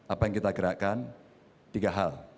apa yang kita gerakkan tiga hal